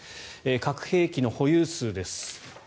核兵器の保有数です。